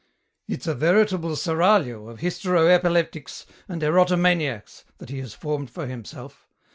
"It's a veritable seraglio of hystero epileptics and erotomaniacs that he has formed for himself.